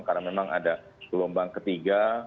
karena memang ada gelombang ketiga